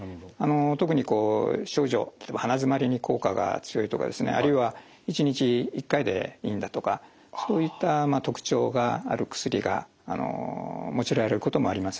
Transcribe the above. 特に症状例えば鼻詰まりに効果が強いとかですねあるいは１日１回でいいんだとかそういった特徴がある薬が用いられることもあります。